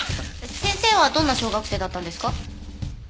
先生はどんな小学生だったんですか？